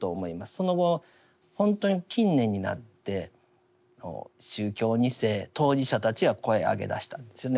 その後ほんとに近年になって宗教２世当事者たちが声を上げだしたんですよね。